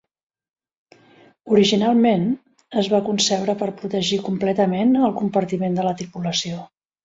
Originalment, es va concebre per protegir completament el compartiment de la tripulació.